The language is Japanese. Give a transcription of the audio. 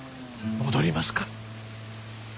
戻りますか。